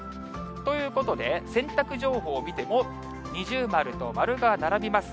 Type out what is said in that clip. ということで、洗濯情報を見ても、二重丸と丸が並びます。